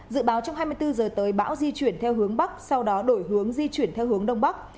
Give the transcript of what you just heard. dự báo trong hai mươi bốn giờ tới bão di chuyển theo hướng bắc sau đó đổi hướng di chuyển theo hướng đông bắc